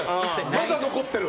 まだ残ってる。